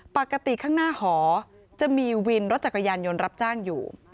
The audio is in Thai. ปกติข้างหน้าหอจะมีวินรถจักรยานยนต์รับจ้างอยู่